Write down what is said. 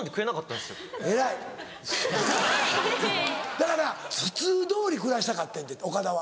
だから普通どおり暮らしたかってんて岡田は。